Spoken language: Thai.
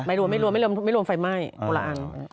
ไม่รวมไม่รวมไม่รวมไฟไหม้โบราณ